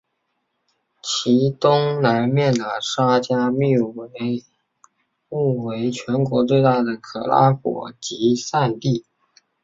其东南面的沙加穆为全国最大的可拉果集散地。